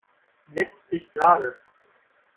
Setzt dich gerade!